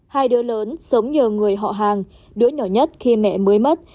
hai đứa lớn sống nhờ người họ hàng đứa nhỏ nhất khi mẹ mới mất